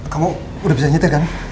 kamu udah bisa nyetir kan